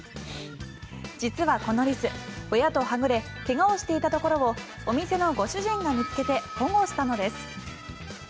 実はこのリス、親とはぐれ怪我をしていたところをお店のご主人が見つけて保護したのです。